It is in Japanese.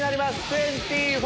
２４。